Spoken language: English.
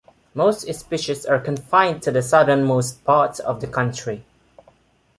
Most species are confined to the southernmost parts of the country.